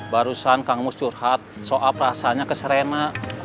barusan kang mus curhat soal perasaannya ke serena